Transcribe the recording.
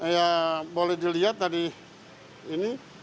ya boleh dilihat tadi ini